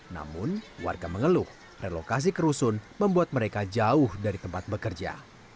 namun warga mengeluh relokasi ke rusun membuat mereka jauh dari tempat bekerja